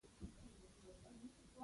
زموږ چینایان په نقل کې تکړه دي.